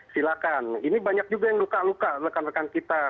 silakan ini banyak juga yang luka luka rekan rekan kita